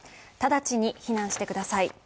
直ちに避難してください。